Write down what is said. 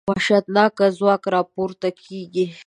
وحشتناکه ځواک راپورته کېږي.